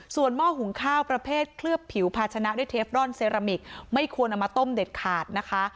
ส่วนหม้อหุงข้าวประเภทเคลือบผิวภาชนะด้วยเทฟรอนเซรามิกไม่ควรเอามาต้มเด็ดขาดนะคะ